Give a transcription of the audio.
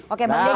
oke bang deddy